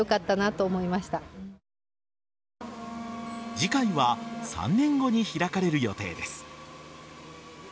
次回は３年後に開かれる予定です。